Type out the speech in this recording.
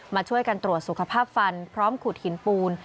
มาช่วยกันตรวจสุขภาพฟันพร้อมขุดหินปูน